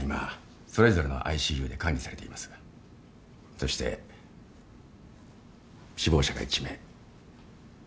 そして死亡者が１名。